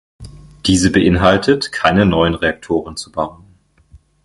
Diese beinhaltet keine neuen Reaktoren zu bauen.